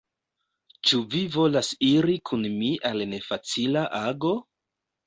Ĉu vi volas iri kun mi al nefacila ago?